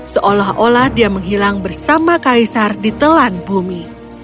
seolah olah dia menghilang bersama kaisar di telan bumi